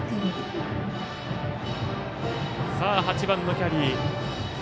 ８番のキャリー。